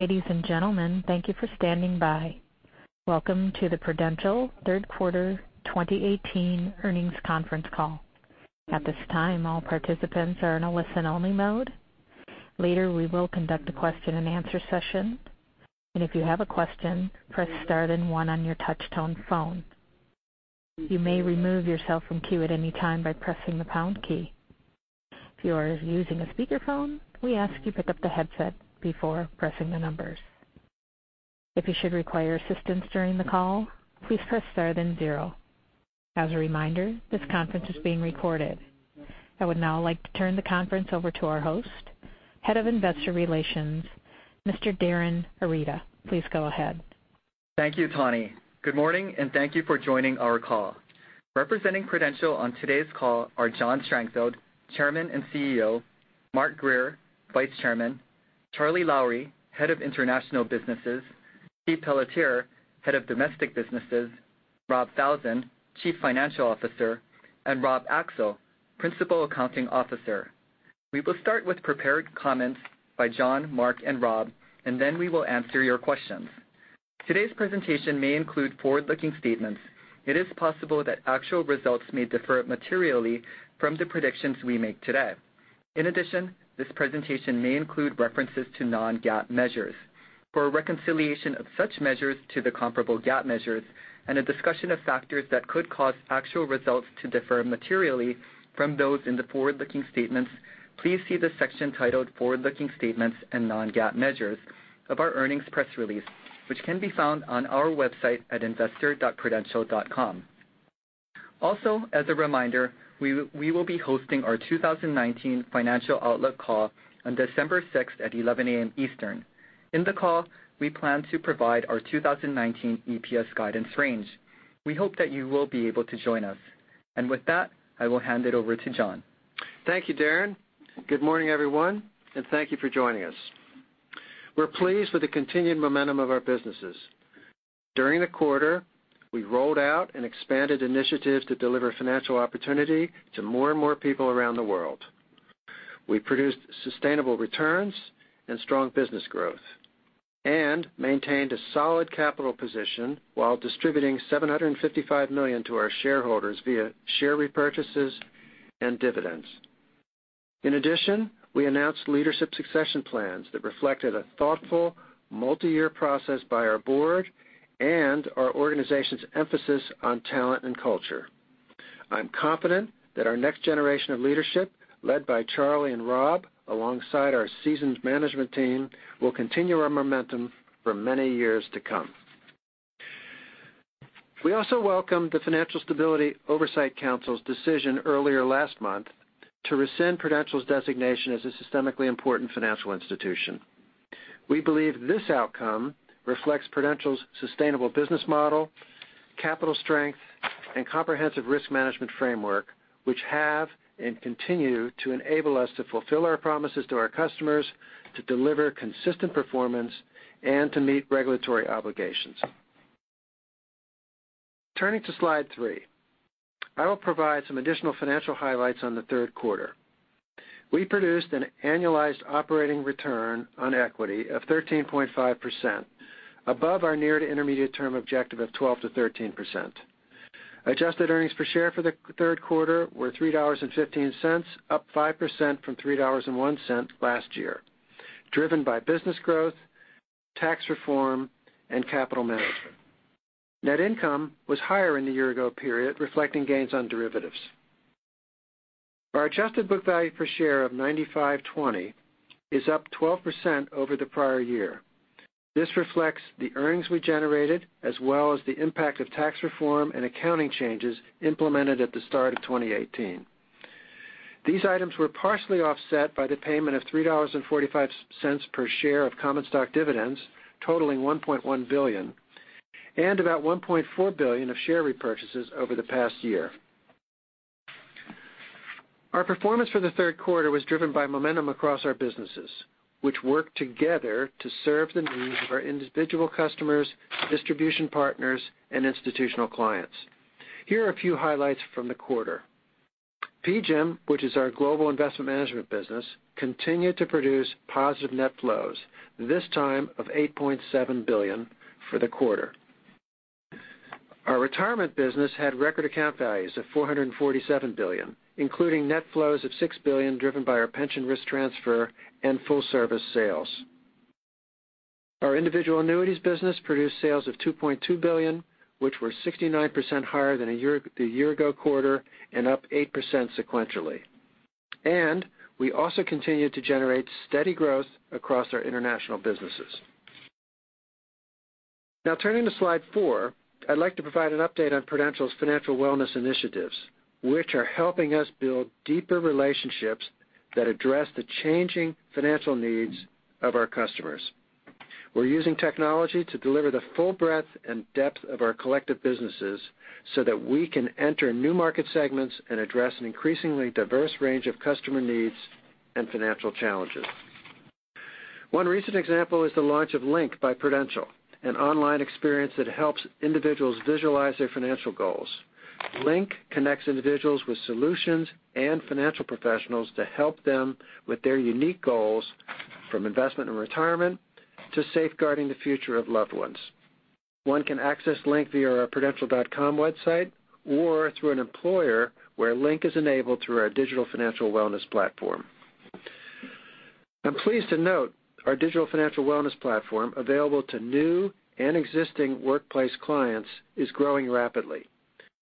Ladies and gentlemen, thank you for standing by. Welcome to the Prudential Third Quarter 2018 Earnings Conference Call. At this time, all participants are in a listen-only mode. Later, we will conduct a question and answer session, and if you have a question, press star then one on your touch-tone phone. You may remove yourself from queue at any time by pressing the pound key. If you are using a speakerphone, we ask you pick up the headset before pressing the numbers. If you should require assistance during the call, please press star then zero. As a reminder, this conference is being recorded. I would now like to turn the conference over to our host, Head of Investor Relations, Mr. Darin Arita. Please go ahead. Thank you, Tawny. Good morning, thank you for joining our call. Representing Prudential on today's call are John Strangfeld, Chairman and CEO, Mark Grier, Vice Chairman, Charles Lowrey, Head of International Businesses, Stephen Pelletier, Head of Domestic Businesses, Robert Falzon, Chief Financial Officer, and Robert Axel, Principal Accounting Officer. We will start with prepared comments by John, Mark, and Rob, and then we will answer your questions. Today's presentation may include forward-looking statements. It is possible that actual results may differ materially from the predictions we make today. In addition, this presentation may include references to non-GAAP measures. For a reconciliation of such measures to the comparable GAAP measures and a discussion of factors that could cause actual results to differ materially from those in the forward-looking statements, please see the section titled "Forward-Looking Statements and Non-GAAP Measures" of our earnings press release, which can be found on our website at investor.prudential.com. As a reminder, we will be hosting our 2019 financial outlook call on December sixth at 11:00 A.M. Eastern. In the call, we plan to provide our 2019 EPS guidance range. We hope that you will be able to join us. With that, I will hand it over to John. Thank you, Darin. Good morning, everyone, thank you for joining us. We're pleased with the continued momentum of our businesses. During the quarter, we rolled out and expanded initiatives to deliver financial opportunity to more and more people around the world. We produced sustainable returns and strong business growth and maintained a solid capital position while distributing $755 million to our shareholders via share repurchases and dividends. In addition, we announced leadership succession plans that reflected a thoughtful, multi-year process by our board and our organization's emphasis on talent and culture. I'm confident that our next generation of leadership, led by Charlie and Rob, alongside our seasoned management team, will continue our momentum for many years to come. We also welcome the Financial Stability Oversight Council's decision earlier last month to rescind Prudential's designation as a systemically important financial institution. We believe this outcome reflects Prudential's sustainable business model, capital strength, and comprehensive risk management framework, which have and continue to enable us to fulfill our promises to our customers, to deliver consistent performance, and to meet regulatory obligations. Turning to slide three, I will provide some additional financial highlights on the third quarter. We produced an annualized operating return on equity of 13.5%, above our near to intermediate-term objective of 12%-13%. Adjusted earnings per share for the third quarter were $3.15, up 5% from $3.01 last year, driven by business growth, tax reform, and capital management. Net income was higher in the year-ago period, reflecting gains on derivatives. Our adjusted book value per share of $95.20 is up 12% over the prior year. This reflects the earnings we generated as well as the impact of tax reform and accounting changes implemented at the start of 2018. These items were partially offset by the payment of $3.45 per share of common stock dividends, totaling $1.1 billion, and about $1.4 billion of share repurchases over the past year. Our performance for the third quarter was driven by momentum across our businesses, which work together to serve the needs of our individual customers, distribution partners, and institutional clients. Here are a few highlights from the quarter. PGIM, which is our global investment management business, continued to produce positive net flows, this time of $8.7 billion, for the quarter. Our retirement business had record account values of $447 billion, including net flows of $6 billion driven by our pension risk transfer and full service sales. Our individual annuities business produced sales of $2.2 billion, which were 69% higher than the year-ago quarter and up 8% sequentially. We also continued to generate steady growth across our international businesses. Turning to slide four, I'd like to provide an update on Prudential's financial wellness initiatives, which are helping us build deeper relationships that address the changing financial needs of our customers. We're using technology to deliver the full breadth and depth of our collective businesses so that we can enter new market segments and address an increasingly diverse range of customer needs and financial challenges. One recent example is the launch of LINK by Prudential, an online experience that helps individuals visualize their financial goals. LINK connects individuals with solutions and financial professionals to help them with their unique goals, from investment and retirement to safeguarding the future of loved ones. One can access LINK via our prudential.com website or through an employer where LINK is enabled through our digital financial wellness platform. I'm pleased to note our digital financial wellness platform, available to new and existing workplace clients, is growing rapidly.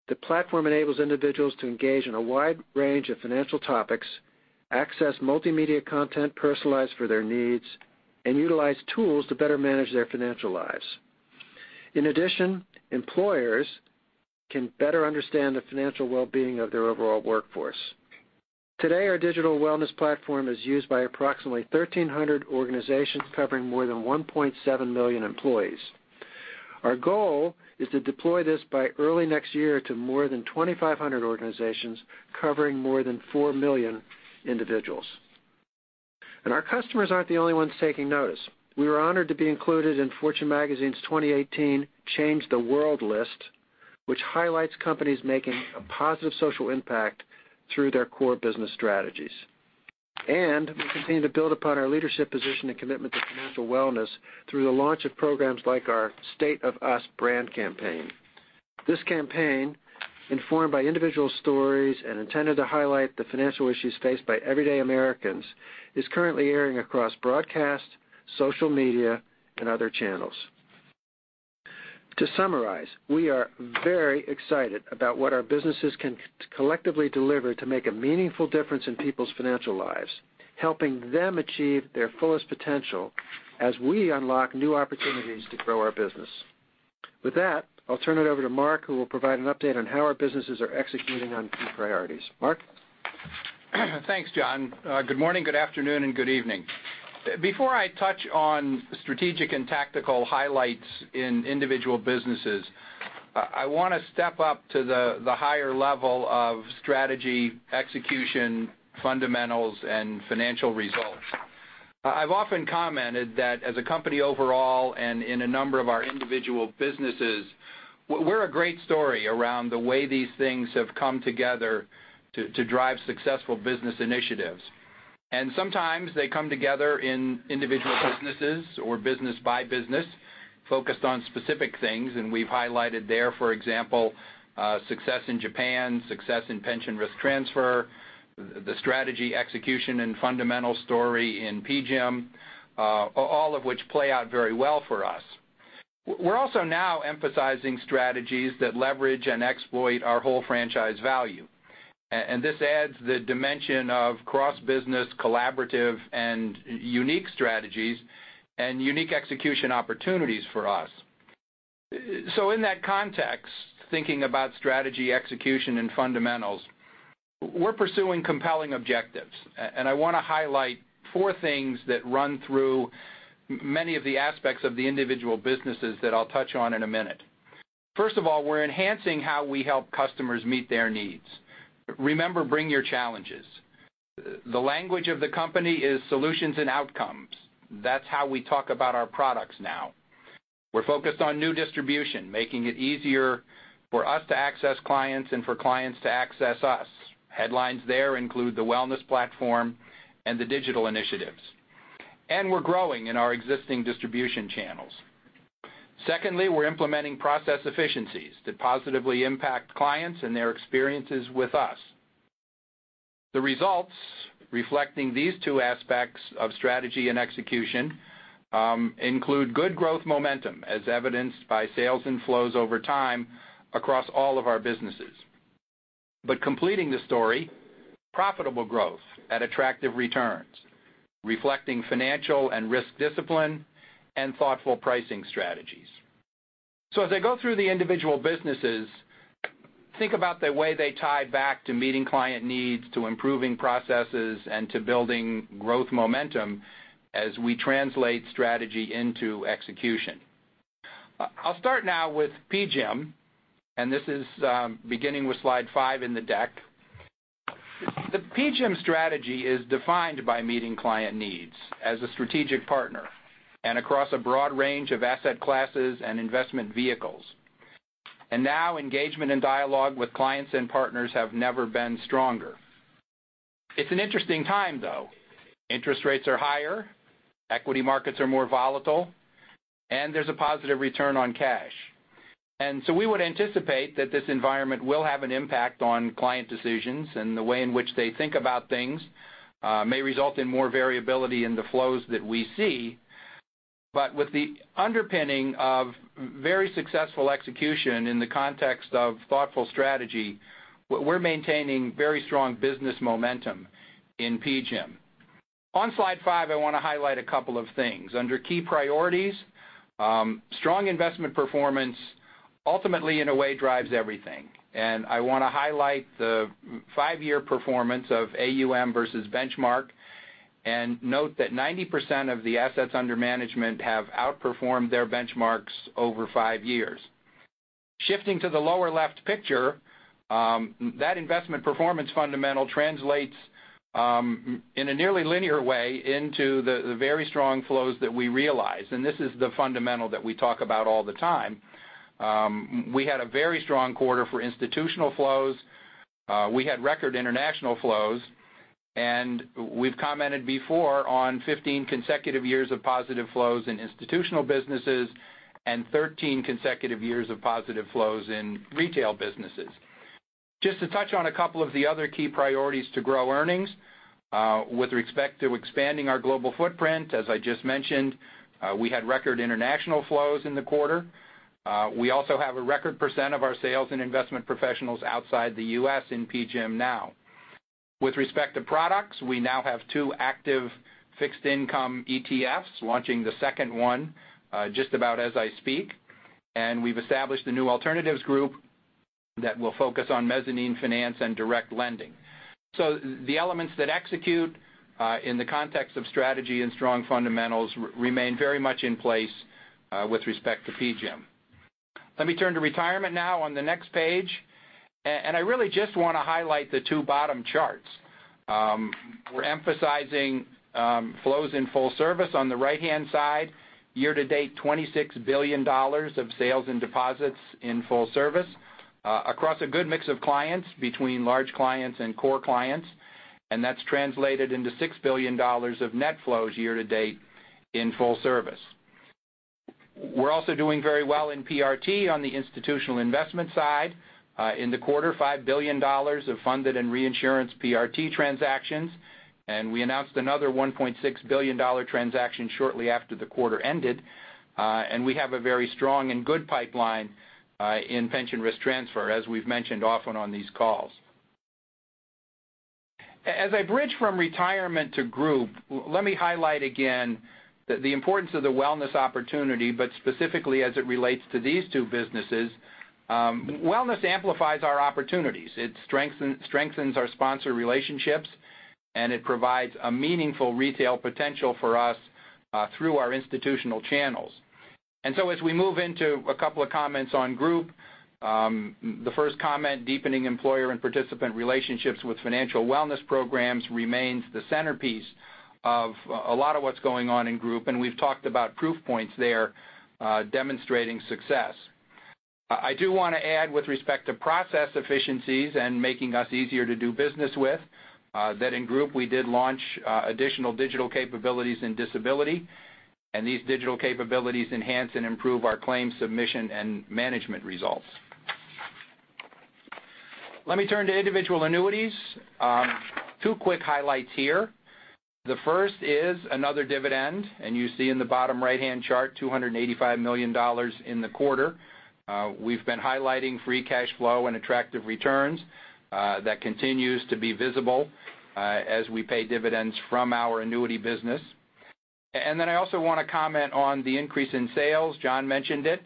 The platform enables individuals to engage in a wide range of financial topics, access multimedia content personalized for their needs, and utilize tools to better manage their financial lives. In addition, employers can better understand the financial well-being of their overall workforce. Today, our digital wellness platform is used by approximately 1,300 organizations covering more than 1.7 million employees. Our goal is to deploy this by early next year to more than 2,500 organizations covering more than four million individuals. Our customers aren't the only ones taking notice. We were honored to be included in Fortune Magazine's 2018 Change the World list, which highlights companies making a positive social impact through their core business strategies. We continue to build upon our leadership position and commitment to financial wellness through the launch of programs like our The State of US brand campaign. This campaign, informed by individual stories and intended to highlight the financial issues faced by everyday Americans, is currently airing across broadcast, social media, and other channels. To summarize, we are very excited about what our businesses can collectively deliver to make a meaningful difference in people's financial lives, helping them achieve their fullest potential as we unlock new opportunities to grow our business. With that, I'll turn it over to Mark, who will provide an update on how our businesses are executing on key priorities. Mark? Thanks, John. Good morning, good afternoon, and good evening. Before I touch on strategic and tactical highlights in individual businesses, I want to step up to the higher level of strategy, execution, fundamentals, and financial results. I've often commented that as a company overall and in a number of our individual businesses, we're a great story around the way these things have come together to drive successful business initiatives. Sometimes they come together in individual businesses or business by business, focused on specific things, and we've highlighted there, for example, success in Japan, success in pension risk transfer, the strategy execution and fundamental story in PGIM, all of which play out very well for us. We're also now emphasizing strategies that leverage and exploit our whole franchise value. This adds the dimension of cross-business, collaborative, and unique strategies and unique execution opportunities for us. In that context, thinking about strategy execution and fundamentals, we're pursuing compelling objectives. I want to highlight four things that run through many of the aspects of the individual businesses that I'll touch on in a minute. First of all, we're enhancing how we help customers meet their needs. Remember, bring your challenges. The language of the company is solutions and outcomes. That's how we talk about our products now. We're focused on new distribution, making it easier for us to access clients and for clients to access us. Headlines there include the wellness platform and the digital initiatives. We're growing in our existing distribution channels. Secondly, we're implementing process efficiencies that positively impact clients and their experiences with us. The results reflecting these two aspects of strategy and execution include good growth momentum, as evidenced by sales and flows over time across all of our businesses. Completing the story, profitable growth at attractive returns, reflecting financial and risk discipline and thoughtful pricing strategies. As I go through the individual businesses, think about the way they tie back to meeting client needs, to improving processes, and to building growth momentum as we translate strategy into execution. I'll start now with PGIM, and this is beginning with slide five in the deck. The PGIM strategy is defined by meeting client needs as a strategic partner and across a broad range of asset classes and investment vehicles. Now engagement and dialogue with clients and partners have never been stronger. It's an interesting time, though. Interest rates are higher, equity markets are more volatile, and there's a positive return on cash. We would anticipate that this environment will have an impact on client decisions and the way in which they think about things may result in more variability in the flows that we see. With the underpinning of very successful execution in the context of thoughtful strategy, we're maintaining very strong business momentum in PGIM. On slide five, I want to highlight a couple of things. Under key priorities, strong investment performance ultimately, in a way, drives everything. I want to highlight the five-year performance of AUM versus benchmark and note that 90% of the assets under management have outperformed their benchmarks over five years. Shifting to the lower left picture, that investment performance fundamental translates in a nearly linear way into the very strong flows that we realize, and this is the fundamental that we talk about all the time. We had a very strong quarter for institutional flows. We had record international flows. We've commented before on 15 consecutive years of positive flows in institutional businesses and 13 consecutive years of positive flows in retail businesses. Just to touch on a couple of the other key priorities to grow earnings. With respect to expanding our global footprint, as I just mentioned, we had record international flows in the quarter. We also have a record percent of our sales and investment professionals outside the U.S. in PGIM now. With respect to products, we now have two active fixed income ETFs, launching the second one just about as I speak, and we've established a new alternatives group that will focus on mezzanine finance and direct lending. The elements that execute in the context of strategy and strong fundamentals remain very much in place with respect to PGIM. Let me turn to Retirement now on the next page, and I really just want to highlight the two bottom charts. We're emphasizing flows in full service on the right-hand side, year to date, $26 billion of sales and deposits in full service across a good mix of clients between large clients and core clients, and that's translated into $6 billion of net flows year to date in full service. We're also doing very well in PRT on the institutional investment side. In the quarter, $5 billion of funded and reinsurance PRT transactions, and we announced another $1.6 billion transaction shortly after the quarter ended. We have a very strong and good pipeline in pension risk transfer, as we've mentioned often on these calls. As I bridge from Retirement to Group, let me highlight again the importance of the wellness opportunity, but specifically as it relates to these two businesses. Wellness amplifies our opportunities. It strengthens our sponsor relationships, and it provides a meaningful retail potential for us through our institutional channels. As we move into a couple of comments on Group, the first comment, deepening employer and participant relationships with financial wellness programs remains the centerpiece of a lot of what's going on in Group, and we've talked about proof points there demonstrating success. I do want to add with respect to process efficiencies and making us easier to do business with, that in Group, we did launch additional digital capabilities in disability, and these digital capabilities enhance and improve our claims submission and management results. Let me turn to Individual Annuities. Two quick highlights here. The first is another dividend. You see in the bottom right-hand chart, $285 million in the quarter. We've been highlighting free cash flow and attractive returns. That continues to be visible as we pay dividends from our annuity business. I also want to comment on the increase in sales. John mentioned it.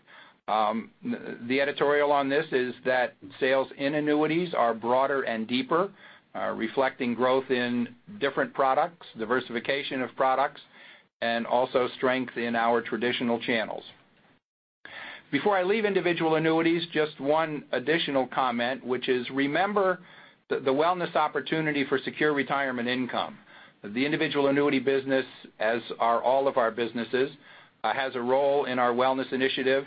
The editorial on this is that sales in annuities are broader and deeper, reflecting growth in different products, diversification of products, and also strength in our traditional channels. Before I leave Individual Annuities, just one additional comment, which is, remember the wellness opportunity for secure retirement income. The individual annuity business, as are all of our businesses, has a role in our wellness initiative,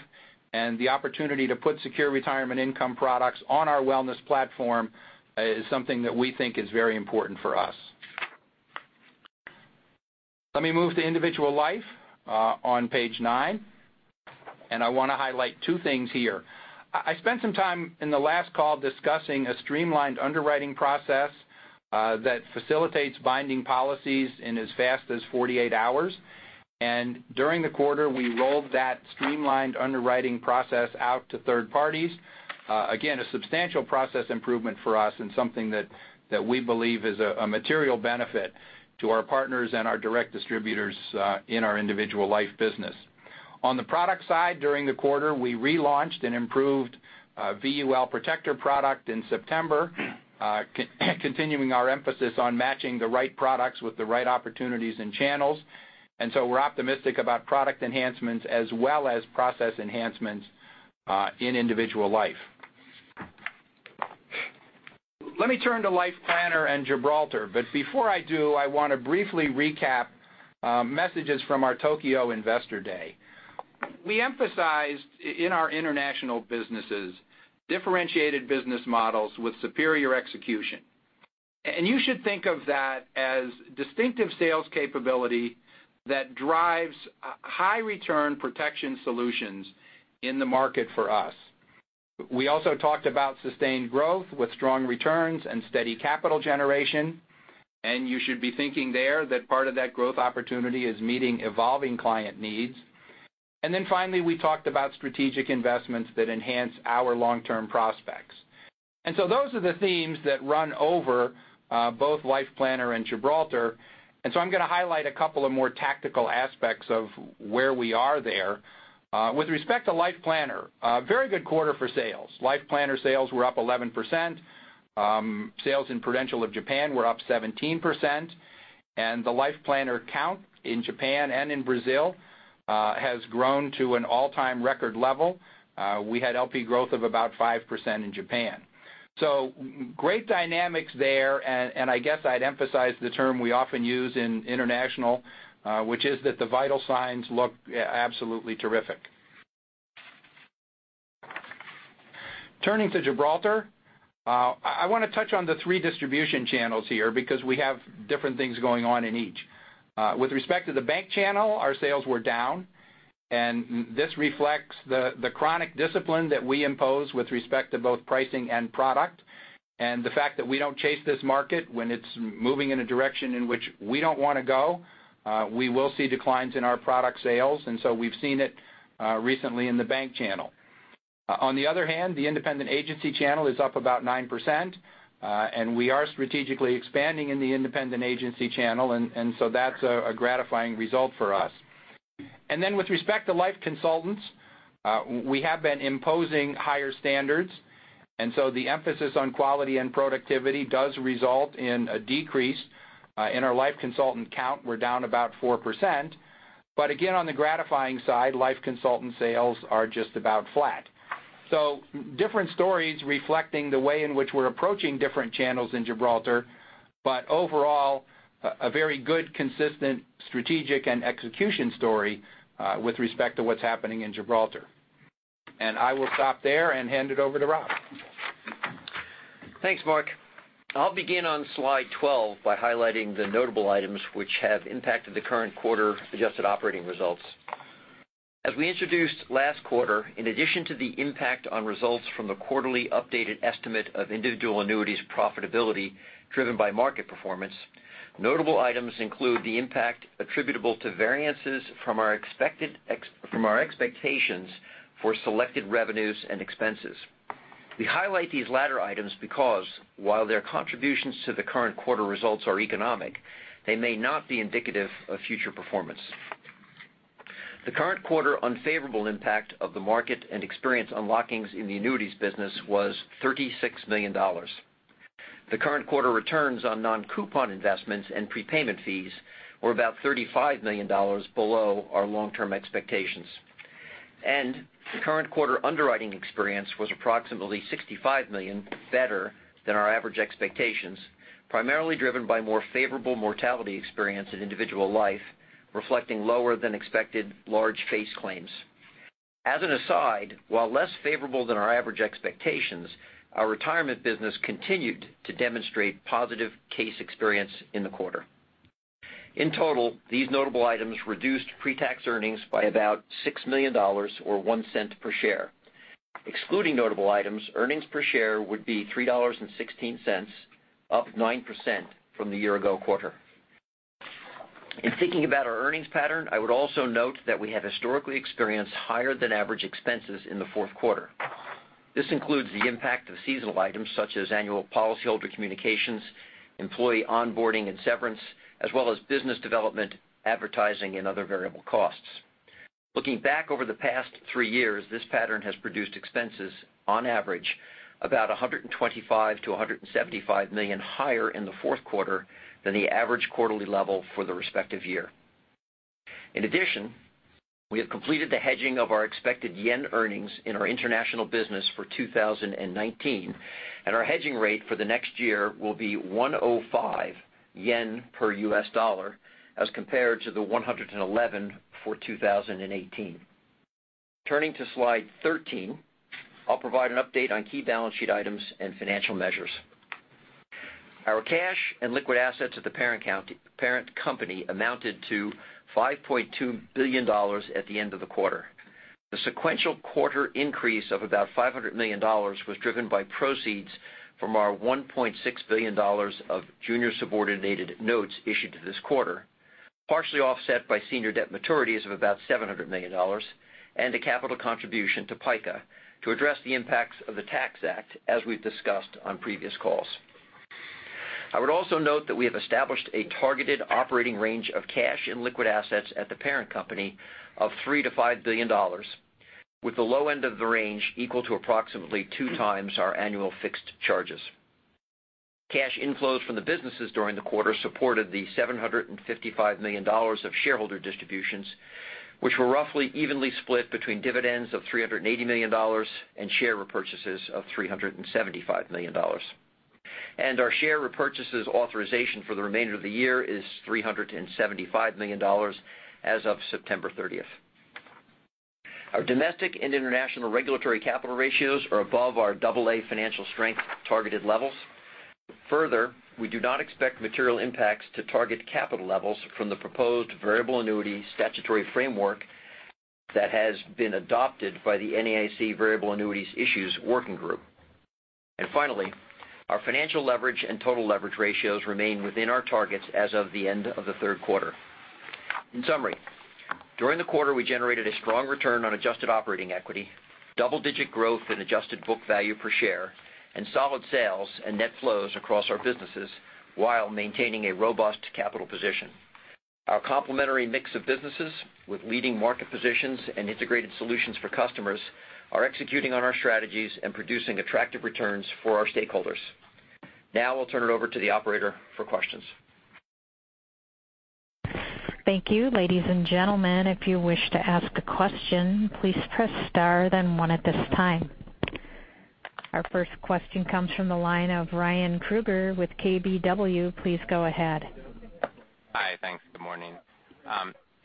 the opportunity to put secure retirement income products on our wellness platform is something that we think is very important for us. Let me move to Individual Life on page nine. I want to highlight two things here. I spent some time in the last call discussing a streamlined underwriting process that facilitates binding policies in as fast as 48 hours. During the quarter, we rolled that streamlined underwriting process out to third parties. Again, a substantial process improvement for us and something that we believe is a material benefit to our partners and our direct distributors in our Individual Life business. On the product side, during the quarter, we relaunched an improved VUL Protector product in September, continuing our emphasis on matching the right products with the right opportunities and channels. We're optimistic about product enhancements as well as process enhancements in Individual Life. Let me turn to Life Planner and Gibraltar, before I do, I want to briefly recap messages from our Tokyo Investor Day. We emphasized in our international businesses differentiated business models with superior execution. You should think of that as distinctive sales capability that drives high return protection solutions in the market for us. We also talked about sustained growth with strong returns and steady capital generation, you should be thinking there that part of that growth opportunity is meeting evolving client needs. Finally, we talked about strategic investments that enhance our long-term prospects. Those are the themes that run over both Life Planner and Gibraltar, I'm going to highlight a couple of more tactical aspects of where we are there. With respect to Life Planner, a very good quarter for sales. Life Planner sales were up 11%. Sales in Prudential of Japan were up 17%, the Life Planner count in Japan and in Brazil has grown to an all-time record level. We had LP growth of about 5% in Japan. Great dynamics there, I guess I'd emphasize the term we often use in international, which is that the vital signs look absolutely terrific. Turning to Gibraltar, I want to touch on the three distribution channels here because we have different things going on in each. With respect to the bank channel, our sales were down. This reflects the chronic discipline that we impose with respect to both pricing and product. The fact that we don't chase this market when it's moving in a direction in which we don't want to go, we will see declines in our product sales. We've seen it recently in the bank channel. On the other hand, the independent agency channel is up about 9%. We are strategically expanding in the independent agency channel, that's a gratifying result for us. With respect to Life Planners, we have been imposing higher standards, the emphasis on quality and productivity does result in a decrease in our Life Planner count. We're down about 4%. Again, on the gratifying side, Life Planner sales are just about flat. Different stories reflecting the way in which we're approaching different channels in Gibraltar. Overall, a very good, consistent strategic and execution story with respect to what's happening in Gibraltar. I will stop there and hand it over to Rob. Thanks, Mark. I'll begin on slide 12 by highlighting the notable items which have impacted the current quarter adjusted operating results. As we introduced last quarter, in addition to the impact on results from the quarterly updated estimate of individual annuities profitability driven by market performance, notable items include the impact attributable to variances from our expectations for selected revenues and expenses. We highlight these latter items because while their contributions to the current quarter results are economic, they may not be indicative of future performance. The current quarter unfavorable impact of the market and experience unlockings in the annuities business was $36 million. The current quarter returns on non-coupon investments and prepayment fees were about $35 million below our long-term expectations. The current quarter underwriting experience was approximately $65 million better than our average expectations, primarily driven by more favorable mortality experience in individual life, reflecting lower than expected large face claims. As an aside, while less favorable than our average expectations, our retirement business continued to demonstrate positive case experience in the quarter. In total, these notable items reduced pre-tax earnings by about $6 million, or $0.01 per share. Excluding notable items, earnings per share would be $3.16, up 9% from the year ago quarter. In thinking about our earnings pattern, I would also note that we have historically experienced higher than average expenses in the fourth quarter. This includes the impact of seasonal items such as annual policyholder communications, employee onboarding and severance, as well as business development, advertising, and other variable costs. Looking back over the past 3 years, this pattern has produced expenses on average about $125 million-$175 million higher in the fourth quarter than the average quarterly level for the respective year. In addition, we have completed the hedging of our expected yen earnings in our international business for 2019, and our hedging rate for the next year will be 105 yen per U.S. dollar as compared to 111 for 2018. Turning to slide 13, I'll provide an update on key balance sheet items and financial measures. Our cash and liquid assets at the parent company amounted to $5.2 billion at the end of the quarter. The sequential quarter increase of about $500 million was driven by proceeds from our $1.6 billion of junior subordinated notes issued to this quarter, partially offset by senior debt maturities of about $700 million, and a capital contribution to PICA to address the impacts of the Tax Act, as we've discussed on previous calls. I would also note that we have established a targeted operating range of cash and liquid assets at the parent company of $3 billion-$5 billion, with the low end of the range equal to approximately two times our annual fixed charges. Cash inflows from the businesses during the quarter supported the $755 million of shareholder distributions, which were roughly evenly split between dividends of $380 million and share repurchases of $375 million. Our share repurchases authorization for the remainder of the year is $375 million as of September 30th. Our domestic and international regulatory capital ratios are above our double A financial strength targeted levels. Further, we do not expect material impacts to target capital levels from the proposed variable annuity statutory framework that has been adopted by the Variable Annuities Issues (E) Working Group. Finally, our financial leverage and total leverage ratios remain within our targets as of the end of the third quarter. In summary, during the quarter, we generated a strong return on adjusted operating equity, double-digit growth in adjusted book value per share, and solid sales and net flows across our businesses while maintaining a robust capital position. Our complementary mix of businesses with leading market positions and integrated solutions for customers are executing on our strategies and producing attractive returns for our stakeholders. Now I'll turn it over to the operator for questions. Thank you. Ladies and gentlemen, if you wish to ask a question, please press star then one at this time. Our first question comes from the line of Ryan Krueger with KBW. Please go ahead. Good morning.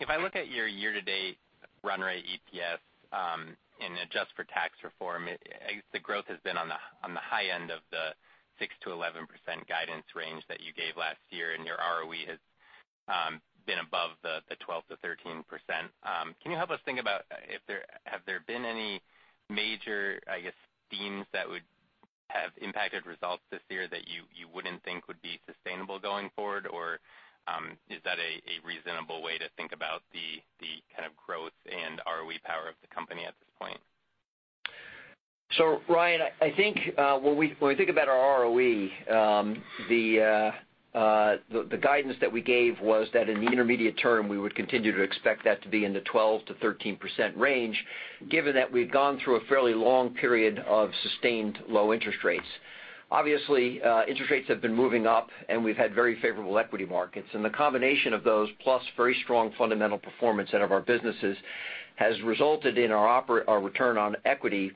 If I look at your year-to-date run rate EPS and adjust for tax reform, I guess the growth has been on the high end of the 6%-11% guidance range that you gave last year, and your ROE has been above the 12%-13%. Can you help us think about have there been any major, I guess, themes that would have impacted results this year that you wouldn't think would be sustainable going forward? Is that a reasonable way to think about the kind of growth and ROE power of the company at this point? Ryan, I think when we think about our ROE, the guidance that we gave was that in the intermediate term, we would continue to expect that to be in the 12%-13% range, given that we've gone through a fairly long period of sustained low interest rates. Obviously, interest rates have been moving up, and we've had very favorable equity markets. The combination of those, plus very strong fundamental performance out of our businesses, has resulted in our return on equity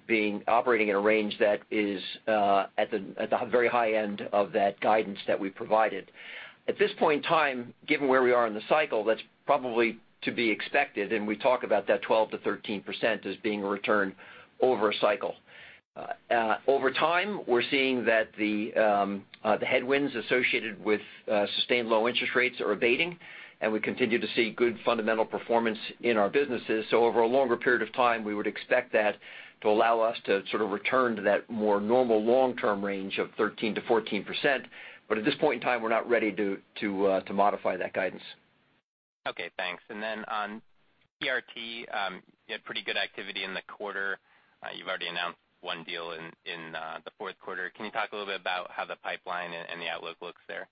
operating in a range that is at the very high end of that guidance that we provided. At this point in time, given where we are in the cycle, that's probably to be expected, and we talk about that 12%-13% as being a return over a cycle. Over time, we're seeing that the headwinds associated with sustained low interest rates are abating, and we continue to see good fundamental performance in our businesses. Over a longer period of time, we would expect that to allow us to sort of return to that more normal long-term range of 13%-14%. At this point in time, we're not ready to modify that guidance. Okay, thanks. Then on PRT, you had pretty good activity in the quarter. You've already announced one deal in the fourth quarter. Can you talk a little bit about how the pipeline and the outlook looks there?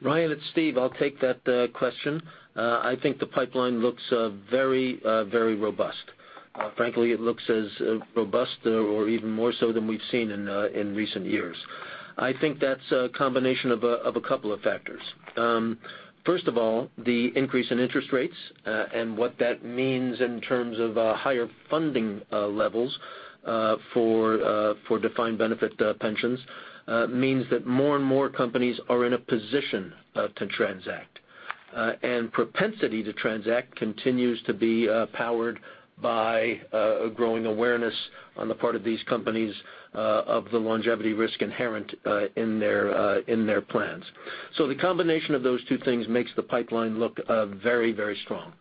Ryan, it's Steve. I'll take that question. I think the pipeline looks very robust. Frankly, it looks as robust or even more so than we've seen in recent years. I think that's a combination of a couple of factors. First of all, the increase in interest rates and what that means in terms of higher funding levels for defined benefit pensions means that more and more companies are in a position to transact. Propensity to transact continues to be powered by a growing awareness on the part of these companies of the longevity risk inherent in their plans. The combination of those two things makes the pipeline look very strong.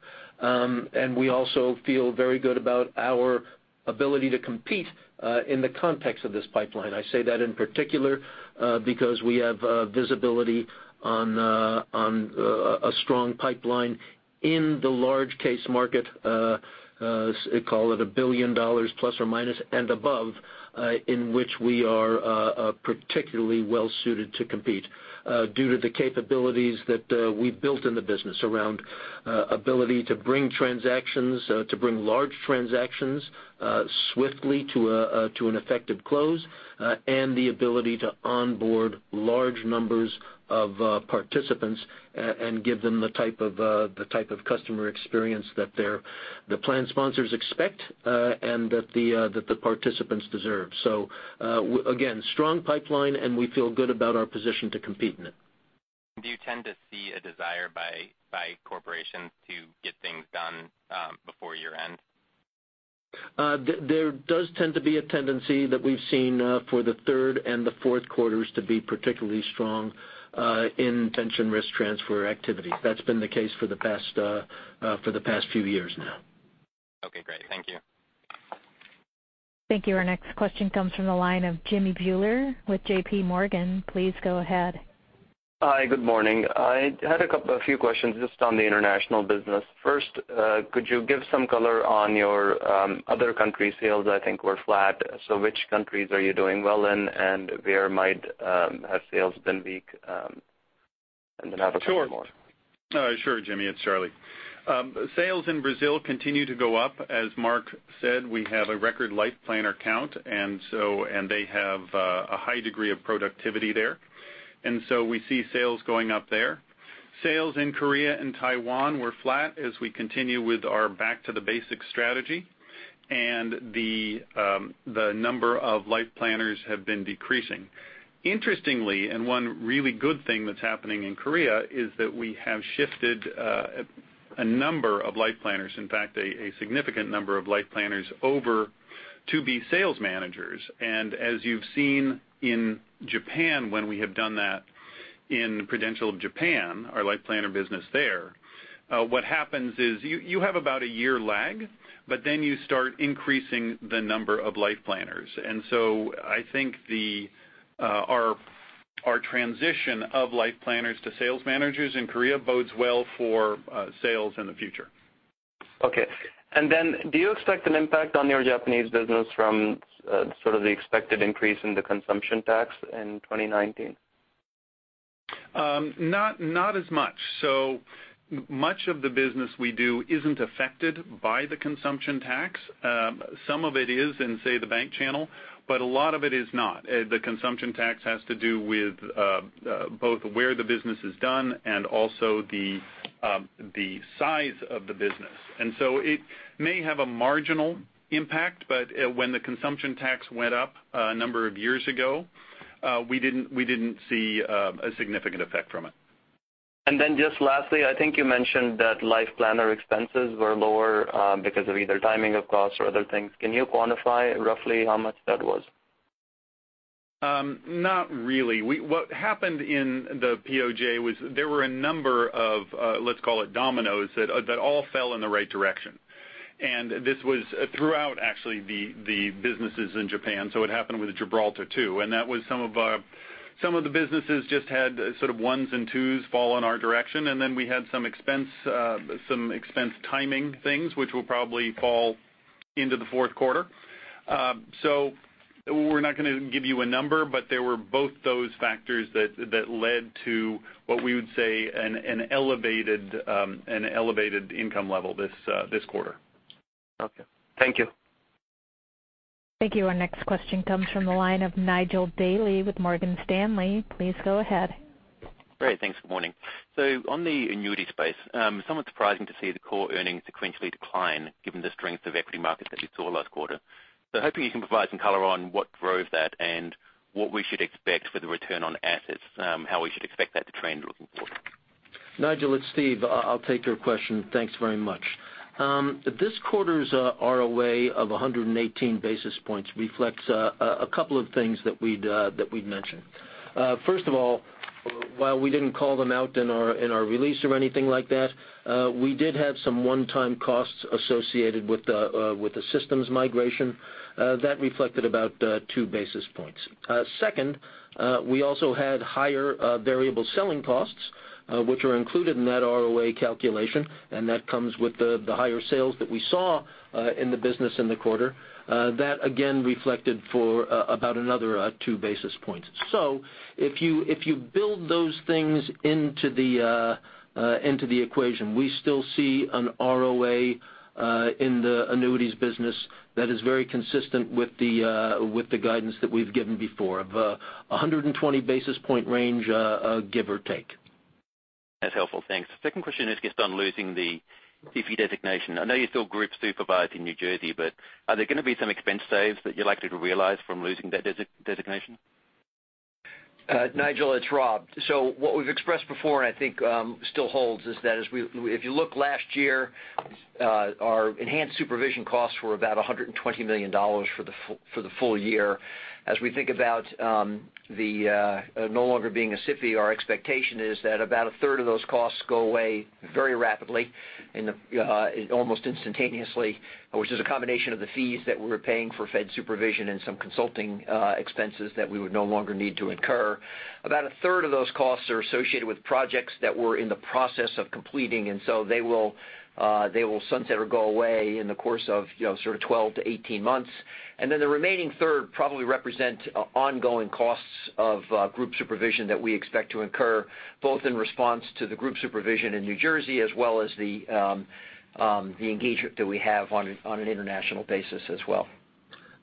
We also feel very good about our ability to compete in the context of this pipeline. I say that in particular because we have visibility on a strong pipeline in the large case market, call it $1 billion plus or minus and above, in which we are particularly well-suited to compete due to the capabilities that we built in the business around ability to bring large transactions swiftly to an effective close, and the ability to onboard large numbers of participants and give them the type of customer experience that the plan sponsors expect, and that the participants deserve. Again, strong pipeline, and we feel good about our position to compete in it. Do you tend to see a desire by corporations to get things done before year-end? There does tend to be a tendency that we've seen for the third and the fourth quarters to be particularly strong in pension risk transfer activity. That's been the case for the past few years now. Okay, great. Thank you. Thank you. Our next question comes from the line of Jimmy Bhullar with J.P. Morgan. Please go ahead. Hi, good morning. I had a few questions just on the international business. First, could you give some color on your other country sales, I think, were flat. Which countries are you doing well in, and where might have sales been weak? I have a couple more. Sure, Jimmy, it's Charlie. Sales in Brazil continue to go up. As Mark said, we have a record Life Planner count, and they have a high degree of productivity there. We see sales going up there. Sales in Korea and Taiwan were flat as we continue with our back to the basics strategy, and the number of Life Planners have been decreasing. Interestingly, one really good thing that's happening in Korea is that we have shifted a number of Life Planners, in fact, a significant number of Life Planners over to be sales managers. As you've seen in Japan when we have done that in Prudential of Japan, our Life Planner business there, what happens is you have about a year lag, you start increasing the number of Life Planners. I think our transition of Life Planners to sales managers in Korea bodes well for sales in the future. Okay. Do you expect an impact on your Japanese business from sort of the expected increase in the consumption tax in 2019? Not as much. Much of the business we do isn't affected by the consumption tax. Some of it is in, say, the bank channel, a lot of it is not. The consumption tax has to do with both where the business is done and also the size of the business. It may have a marginal impact, when the consumption tax went up a number of years ago, we didn't see a significant effect from it. Just lastly, I think you mentioned that Life Planner expenses were lower because of either timing of costs or other things. Can you quantify roughly how much that was? Not really. What happened in the POJ was there were a number of, let's call it dominoes, that all fell in the right direction. This was throughout actually the businesses in Japan, so it happened with Gibraltar too. That was some of the businesses just had sort of ones and twos fall in our direction, then we had some expense timing things which will probably fall into the fourth quarter. We're not going to give you a number, but there were both those factors that led to what we would say, an elevated income level this quarter. Okay. Thank you. Thank you. Our next question comes from the line of Nigel Dally with Morgan Stanley. Please go ahead. Great. Thanks. Good morning. On the annuity space, somewhat surprising to see the core earnings sequentially decline given the strength of equity markets that we saw last quarter. Hoping you can provide some color on what drove that and what we should expect for the return on assets, how we should expect that to trend looking forward. Nigel, it's Steve. I'll take your question. Thanks very much. This quarter's ROA of 118 basis points reflects a couple of things that we'd mentioned. While we didn't call them out in our release or anything like that, we did have some one-time costs associated with the systems migration. That reflected about two basis points. We also had higher variable selling costs, which are included in that ROA calculation, and that comes with the higher sales that we saw in the business in the quarter. That again reflected for about another two basis points. If you build those things into the equation, we still see an ROA in the annuities business that is very consistent with the guidance that we've given before of 120 basis point range, give or take. That's helpful. Thanks. Second question is just on losing the SIFI designation. I know you're still group supervised in New Jersey, are there going to be some expense saves that you're likely to realize from losing that designation? Nigel, it's Rob. What we've expressed before, and I think still holds, is that if you look last year, our enhanced supervision costs were about $120 million for the full year. As we think about no longer being a SIFI, our expectation is that about a third of those costs go away very rapidly and almost instantaneously, which is a combination of the fees that we were paying for Fed supervision and some consulting expenses that we would no longer need to incur. About a third of those costs are associated with projects that we're in the process of completing, they will sunset or go away in the course of sort of 12 to 18 months. The remaining third probably represent ongoing costs of group supervision that we expect to incur, both in response to the group supervision in New Jersey as well as the engagement that we have on an international basis as well.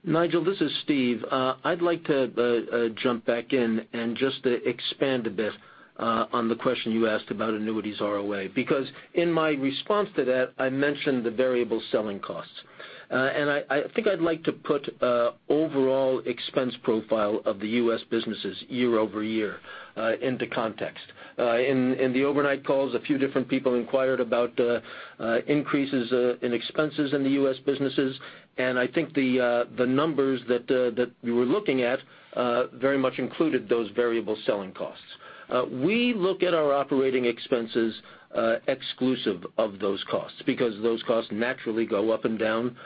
Nigel, this is Steve. I'd like to jump back in and just expand a bit on the question you asked about annuities ROA, because in my response to that, I mentioned the variable selling costs. I think I'd like to put overall expense profile of the U.S. businesses year-over-year into context. In the overnight calls, a few different people inquired about increases in expenses in the U.S. businesses, and I think the numbers that we were looking at very much included those variable selling costs. We look at our operating expenses exclusive of those costs, because those costs naturally go up and down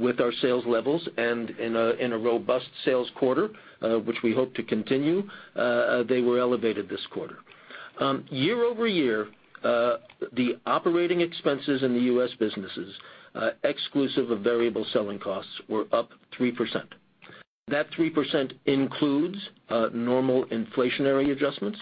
with our sales levels. In a robust sales quarter, which we hope to continue, they were elevated this quarter. Year-over-year, the operating expenses in the U.S. businesses, exclusive of variable selling costs, were up 3%. That 3% includes normal inflationary adjustments.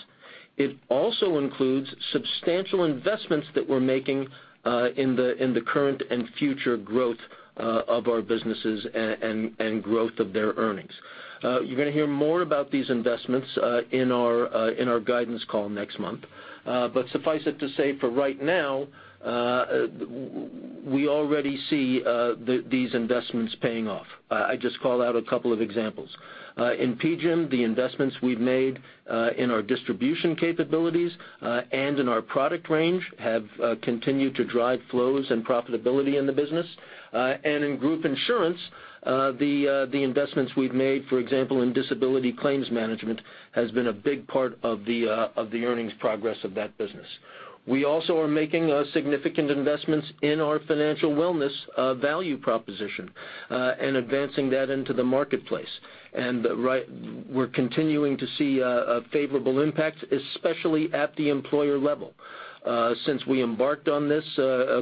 It also includes substantial investments that we're making in the current and future growth of our businesses and growth of their earnings. You're going to hear more about these investments in our guidance call next month. Suffice it to say for right now, we already see these investments paying off. I just call out a couple of examples. In PGIM, the investments we've made in our distribution capabilities and in our product range have continued to drive flows and profitability in the business. In group insurance, the investments we've made, for example, in disability claims management, has been a big part of the earnings progress of that business. We also are making significant investments in our financial wellness value proposition, and advancing that into the marketplace. We're continuing to see a favorable impact, especially at the employer level. Since we embarked on this,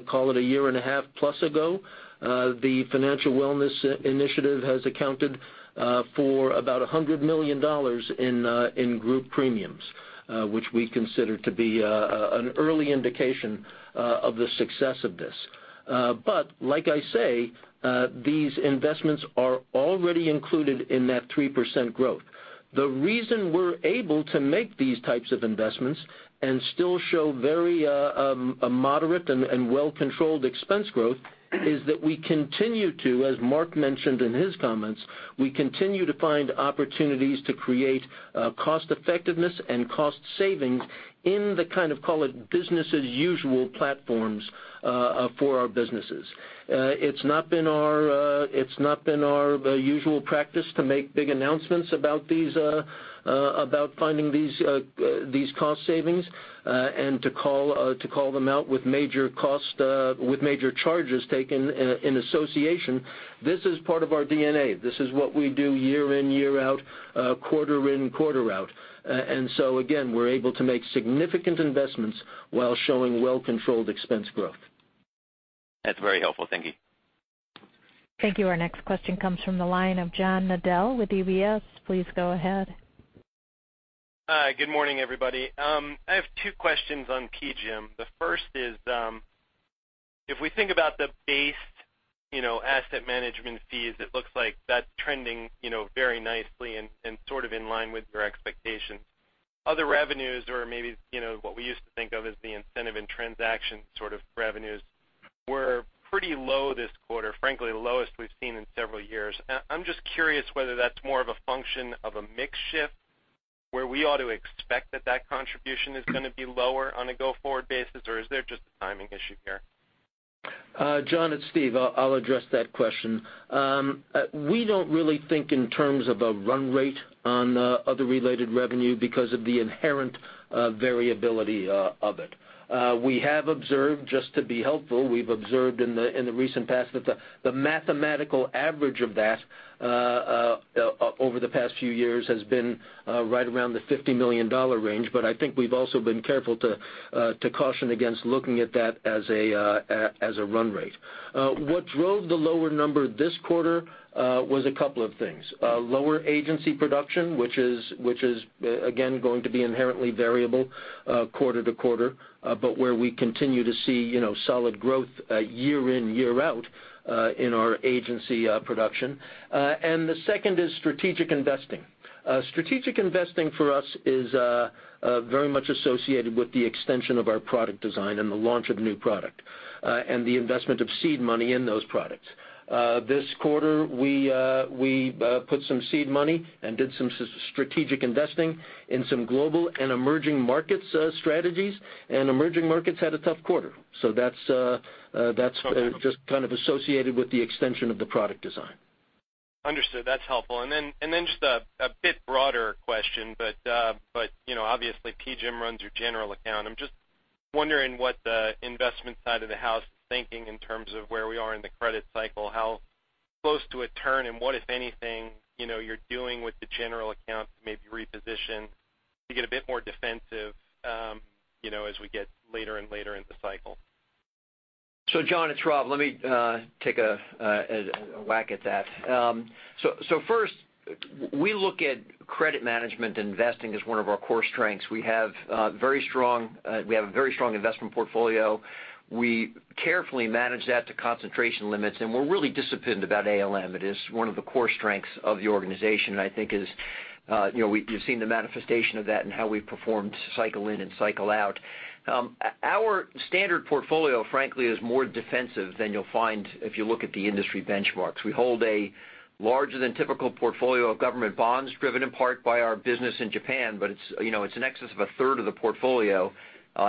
call it a year and a half plus ago, the financial wellness initiative has accounted for about $100 million in group premiums, which we consider to be an early indication of the success of this. Like I say, these investments are already included in that 3% growth. The reason we're able to make these types of investments and still show very moderate and well-controlled expense growth is that we continue to, as Mark mentioned in his comments, we continue to find opportunities to create cost effectiveness and cost savings in the kind of, call it business as usual platforms for our businesses. It's not been our usual practice to make big announcements about finding these cost savings and to call them out with major charges taken in association. This is part of our DNA. This is what we do year in, year out, quarter in, quarter out. Again, we're able to make significant investments while showing well-controlled expense growth. That's very helpful. Thank you. Thank you. Our next question comes from the line of John Nadel with UBS. Please go ahead. Hi, good morning, everybody. I have two questions on PGIM. The first is, if we think about the base asset management fees, it looks like that's trending very nicely and sort of in line with your expectations. Other revenues or maybe what we used to think of as the incentive and transaction sort of revenues were pretty low this quarter, frankly, the lowest we've seen in several years. I'm just curious whether that's more of a function of a mix shift where we ought to expect that that contribution is going to be lower on a go-forward basis, or is there just a timing issue here? John, it's Steve. I'll address that question. We don't really think in terms of a run rate on other related revenue because of the inherent variability of it. We have observed, just to be helpful, we've observed in the recent past that the mathematical average of that over the past few years has been right around the $50 million range. I think we've also been careful to caution against looking at that as a run rate. What drove the lower number this quarter was a couple of things. Lower agency production which is again going to be inherently variable quarter-to-quarter but where we continue to see solid growth year in, year out in our agency production. The second is strategic investing. Strategic investing for us is very much associated with the extension of our product design and the launch of new product, and the investment of seed money in those products. This quarter, we put some seed money and did some strategic investing in some global and emerging markets strategies, and emerging markets had a tough quarter. That's just kind of associated with the extension of the product design. Understood, that's helpful. Just a bit broader question, obviously PGIM runs your general account. I'm just wondering what the investment side of the house is thinking in terms of where we are in the credit cycle, how close to a turn and what, if anything, you're doing with the general account to maybe reposition to get a bit more defensive as we get later and later in the cycle. John, it's Rob. Let me take a whack at that. First, we look at credit management investing as one of our core strengths. We have a very strong investment portfolio. We carefully manage that to concentration limits, and we're really disciplined about ALM. It is one of the core strengths of the organization, and I think you've seen the manifestation of that in how we've performed cycle in and cycle out. Our standard portfolio, frankly, is more defensive than you'll find if you look at the industry benchmarks. We hold a larger than typical portfolio of government bonds driven in part by our business in Japan, but it's in excess of a third of the portfolio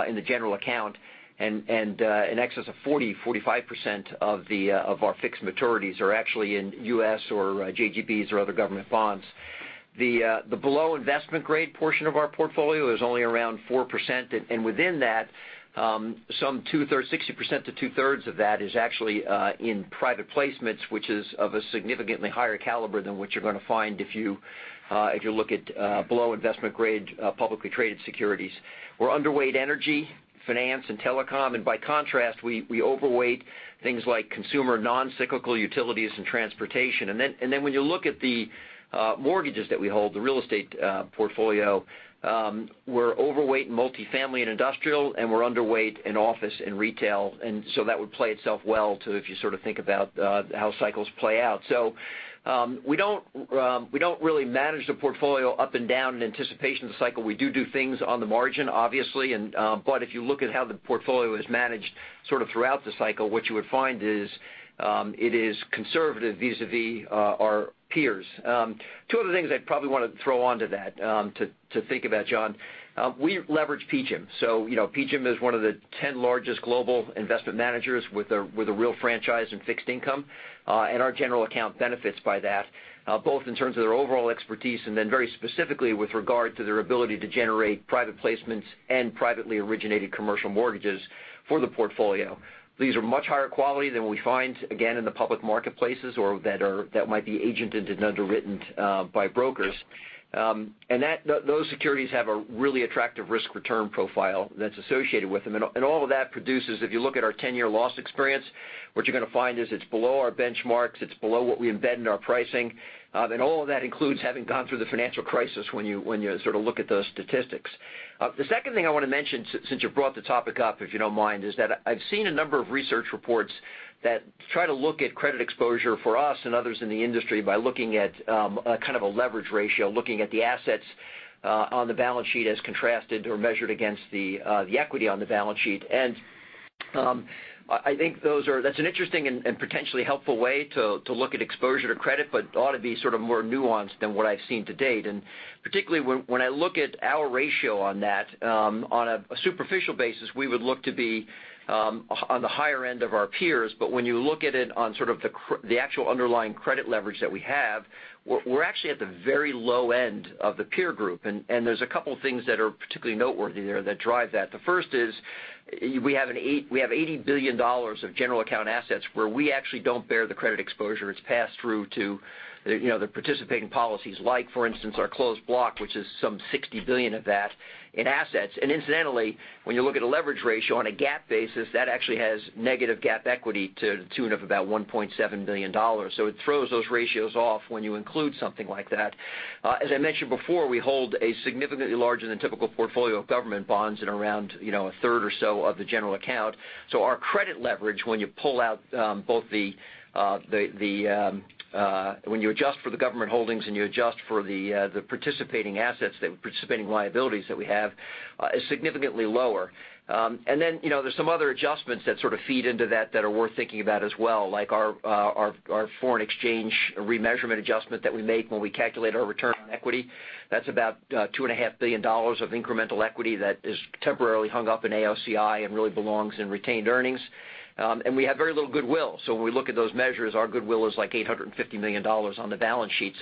in the general account, and in excess of 40%-45% of our fixed maturities are actually in U.S. or JGBs or other government bonds. The below investment-grade portion of our portfolio is only around 4%, and within that, 60% to two-thirds of that is actually in private placements which is of a significantly higher caliber than what you're going to find if you look at below investment-grade publicly traded securities. We're underweight energy, finance, and telecom, by contrast, we overweight things like consumer non-cyclical utilities and transportation. When you look at the mortgages that we hold, the real estate portfolio, we're overweight in multi-family and industrial, and we're underweight in office and retail. That would play itself well, too, if you sort of think about how cycles play out. We don't really manage the portfolio up and down in anticipation of the cycle. We do do things on the margin, obviously, but if you look at how the portfolio is managed sort of throughout the cycle, what you would find is it is conservative vis-à-vis our peers. Two other things I'd probably want to throw onto that to think about, John. We leverage PGIM. PGIM is one of the 10 largest global investment managers with a real franchise in fixed income. Our general account benefits by that both in terms of their overall expertise and then very specifically with regard to their ability to generate private placements and privately originated commercial mortgages for the portfolio. These are much higher quality than what we find, again, in the public marketplaces or that might be agented and underwritten by brokers. Those securities have a really attractive risk-return profile that's associated with them. All of that produces, if you look at our 10-year loss experience, what you're going to find is it's below our benchmarks, it's below what we embed in our pricing. All of that includes having gone through the financial crisis when you sort of look at those statistics. The second thing I want to mention since you brought the topic up, if you don't mind, is that I've seen a number of research reports that try to look at credit exposure for us and others in the industry by looking at kind of a leverage ratio, looking at the assets on the balance sheet as contrasted or measured against the equity on the balance sheet. I think that's an interesting and potentially helpful way to look at exposure to credit but ought to be sort of more nuanced than what I've seen to date. Particularly when I look at our ratio on that, on a superficial basis, we would look to be on the higher end of our peers. When you look at it on sort of the actual underlying credit leverage that we have, we're actually at the very low end of the peer group. There's a couple things that are particularly noteworthy there that drive that. The first is We have $80 billion of general account assets where we actually don't bear the credit exposure. It's passed through to the participating policies, like for instance, our closed block, which is some $60 billion of that in assets. Incidentally, when you look at a leverage ratio on a GAAP basis, that actually has negative GAAP equity to the tune of about $1.7 billion. It throws those ratios off when you include something like that. As I mentioned before, we hold a significantly larger than typical portfolio of government bonds at around a third or so of the general account. Our credit leverage, when you adjust for the government holdings and you adjust for the participating liabilities that we have, is significantly lower. There's some other adjustments that sort of feed into that that are worth thinking about as well, like our foreign exchange remeasurement adjustment that we make when we calculate our return on equity. That's about $2.5 billion of incremental equity that is temporarily hung up in AOCI and really belongs in retained earnings. We have very little goodwill. When we look at those measures, our goodwill is like $850 million on the balance sheet.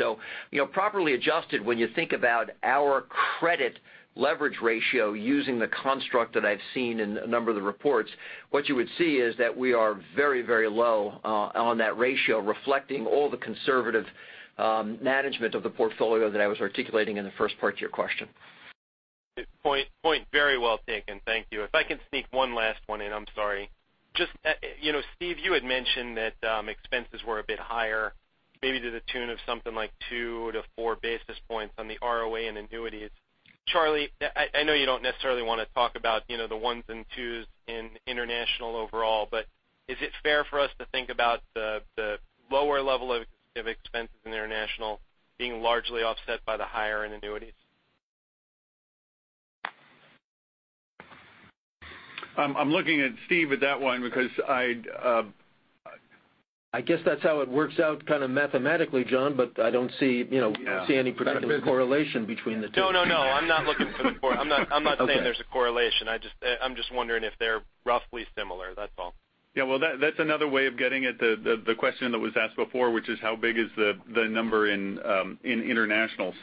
Properly adjusted, when you think about our credit leverage ratio using the construct that I've seen in a number of the reports, what you would see is that we are very low on that ratio, reflecting all the conservative management of the portfolio that I was articulating in the first part to your question. Point very well taken. Thank you. If I can sneak one last one in, I'm sorry. Steve, you had mentioned that expenses were a bit higher, maybe to the tune of something like two to four basis points on the ROA and annuities. Charlie, I know you don't necessarily want to talk about the ones and twos in international overall, but is it fair for us to think about the lower level of expenses in international being largely offset by the higher end annuities? I'm looking at Steve with that one because. I guess that's how it works out kind of mathematically, John, but I don't see any particular correlation between the two. No, I'm not looking for. I'm not saying there's a correlation. I'm just wondering if they're roughly similar, that's all. Yeah. Well, that's another way of getting at the question that was asked before, which is how big is the number in international.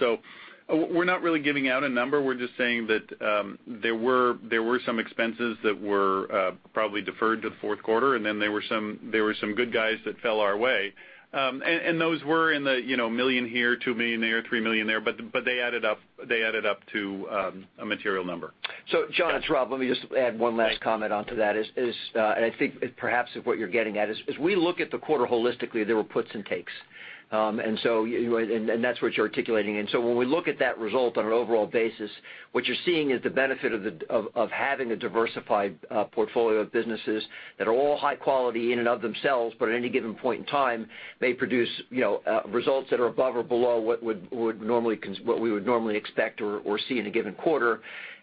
We're not really giving out a number. We're just saying that there were some expenses that were probably deferred to the fourth quarter, then there were some good guys that fell our way. Those were in the $1 million here, $2 million there, $3 million there, but they added up to a material number. John, it's Rob. Let me just add one last comment onto that is, I think perhaps what you're getting at is, we look at the quarter holistically, there were puts and takes. That's what you're articulating. When we look at that result on an overall basis, what you're seeing is the benefit of having a diversified portfolio of businesses that are all high quality in and of themselves, but at any given point in time, they produce results that are above or below what we would normally expect or see in a given quarter.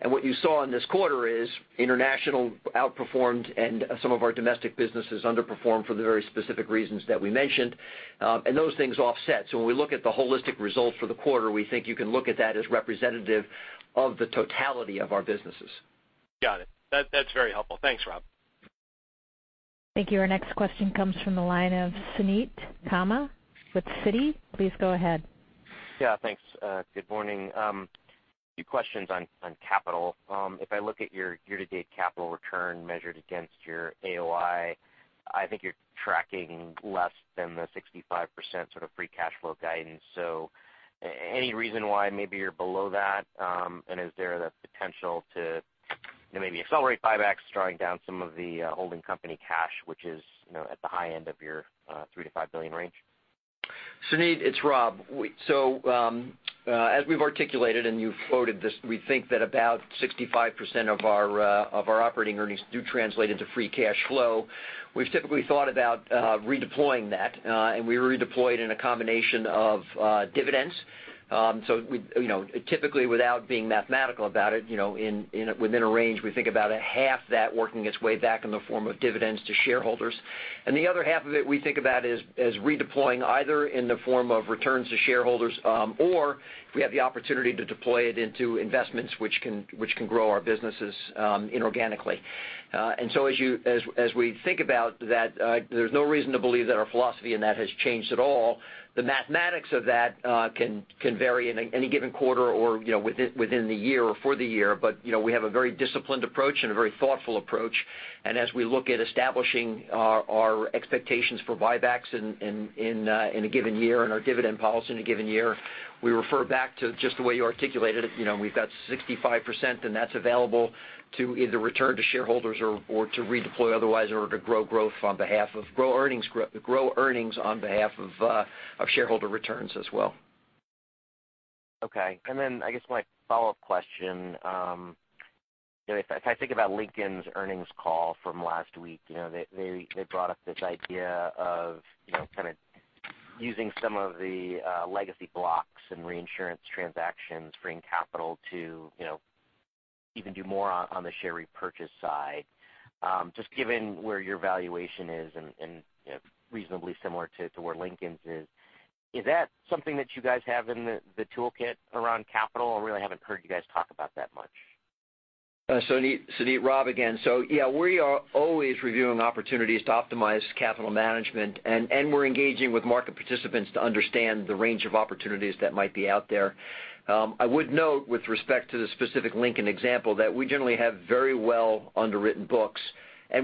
What you saw in this quarter is international outperformed and some of our domestic businesses underperformed for the very specific reasons that we mentioned. Those things offset. When we look at the holistic results for the quarter, we think you can look at that as representative of the totality of our businesses. Got it. That's very helpful. Thanks, Rob. Thank you. Our next question comes from the line of Suneet Kamath with Citi. Please go ahead. Yeah. Thanks. Good morning. A few questions on capital. If I look at your year-to-date capital return measured against your AOI, I think you're tracking less than the 65% sort of free cash flow guidance. Any reason why maybe you're below that, and is there the potential to maybe accelerate buybacks, drawing down some of the holding company cash, which is at the high end of your $3 billion-$5 billion range? Suneet, it's Rob. As we've articulated, you've quoted this, we think that about 65% of our operating earnings do translate into free cash flow. We've typically thought about redeploying that, and we redeploy it in a combination of dividends. Typically, without being mathematical about it, within a range, we think about a half that working its way back in the form of dividends to shareholders. The other half of it we think about as redeploying either in the form of returns to shareholders, or if we have the opportunity to deploy it into investments which can grow our businesses inorganically. As we think about that, there's no reason to believe that our philosophy in that has changed at all. The mathematics of that can vary in any given quarter or within the year or for the year. We have a very disciplined approach and a very thoughtful approach. As we look at establishing our expectations for buybacks in a given year and our dividend policy in a given year, we refer back to just the way you articulated it. We've got 65% and that's available to either return to shareholders or to redeploy otherwise or to grow earnings on behalf of shareholder returns as well. I guess my follow-up question, if I think about Lincoln's earnings call from last week, they brought up this idea of kind of using some of the legacy blocks and reinsurance transactions, freeing capital to even do more on the share repurchase side. Just given where your valuation is and reasonably similar to where Lincoln's is that something that you guys have in the toolkit around capital? I really haven't heard you guys talk about that much. Suneet, Rob again. We are always reviewing opportunities to optimize capital management, and we're engaging with market participants to understand the range of opportunities that might be out there. I would note with respect to the specific Lincoln example that we generally have very well underwritten books.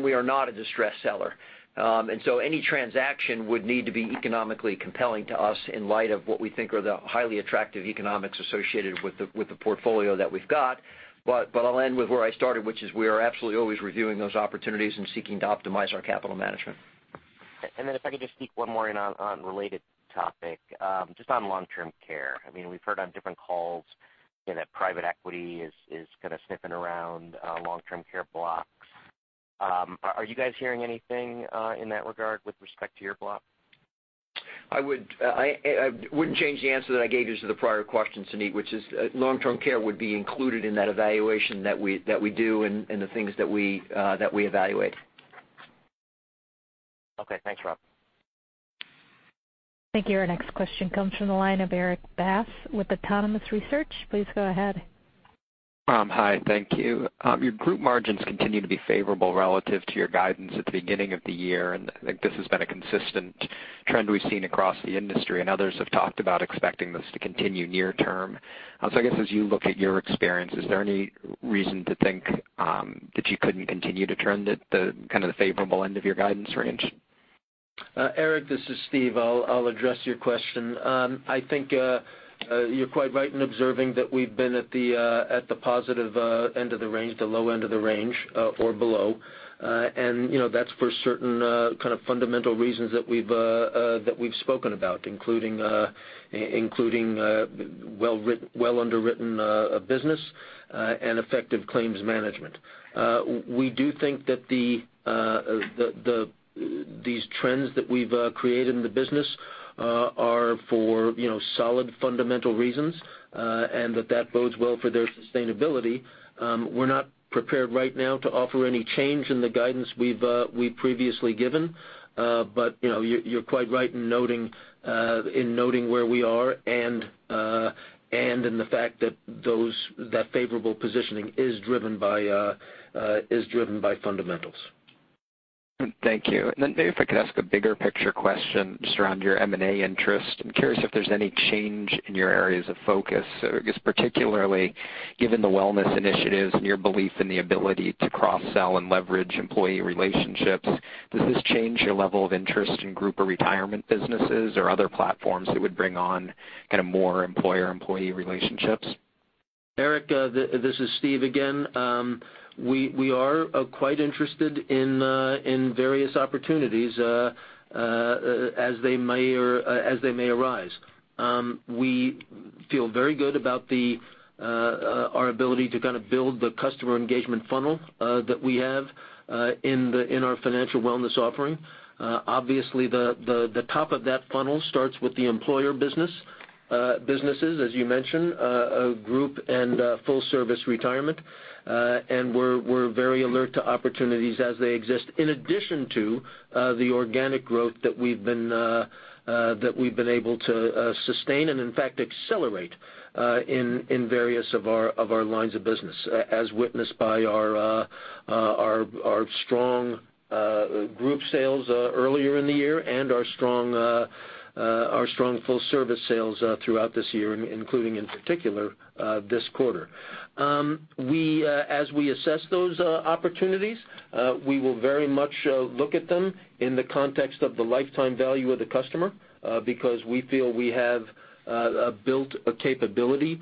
We are not a distressed seller. Any transaction would need to be economically compelling to us in light of what we think are the highly attractive economics associated with the portfolio that we've got. I'll end with where I started, which is we are absolutely always reviewing those opportunities and seeking to optimize our capital management. If I could just sneak one more in on related topic, just on long-term care. We've heard on different calls that private equity is kind of sniffing around long-term care blocks. Are you guys hearing anything in that regard with respect to your block? I wouldn't change the answer that I gave you to the prior question, Suneet, which is long-term care would be included in that evaluation that we do and the things that we evaluate. Okay. Thanks, Rob. Thank you. Our next question comes from the line of Erik Bass with Autonomous Research. Please go ahead. Hi, thank you. Your group margins continue to be favorable relative to your guidance at the beginning of the year. I think this has been a consistent trend we've seen across the industry. Others have talked about expecting this to continue near term. I guess as you look at your experience, is there any reason to think that you couldn't continue to trend at the favorable end of your guidance range? Erik, this is Steve. I'll address your question. I think you're quite right in observing that we've been at the positive end of the range, the low end of the range or below. That's for certain kind of fundamental reasons that we've spoken about, including well underwritten business and effective claims management. We do think that these trends that we've created in the business are for solid fundamental reasons. That bodes well for their sustainability. We're not prepared right now to offer any change in the guidance we've previously given. You're quite right in noting where we are and in the fact that that favorable positioning is driven by fundamentals. Thank you. Maybe if I could ask a bigger picture question just around your M&A interest. I'm curious if there's any change in your areas of focus. I guess particularly given the wellness initiatives and your belief in the ability to cross-sell and leverage employee relationships, does this change your level of interest in group or retirement businesses or other platforms that would bring on kind of more employer-employee relationships? Erik, this is Steve again. We are quite interested in various opportunities as they may arise. We feel very good about our ability to kind of build the customer engagement funnel that we have in our financial wellness offering. Obviously, the top of that funnel starts with the employer businesses, as you mentioned, group and full service retirement. We're very alert to opportunities as they exist, in addition to the organic growth that we've been able to sustain and, in fact, accelerate in various of our lines of business, as witnessed by our strong group sales earlier in the year and our strong full service sales throughout this year, including in particular this quarter. As we assess those opportunities, we will very much look at them in the context of the lifetime value of the customer, because we feel we have built a capability